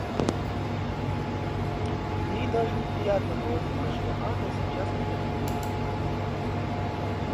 Ей даже неприятно было думать, что Анна сейчас придет к ней.